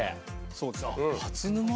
そうですね。